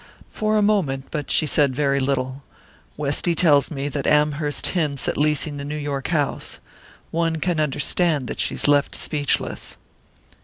"For a moment, but she said very little. Westy tells me that Amherst hints at leasing the New York house. One can understand that she's left speechless."